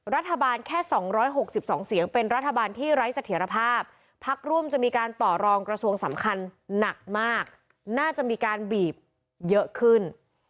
รัฐบาลแค่๒๖๒เสียงเป็นรัฐบาลที่ไร้เสถียรภาพพักร่วมจะมีการต่อรองกระทรวงสำคัญหนักมากน่าจะมีการบีบเยอะขึ้น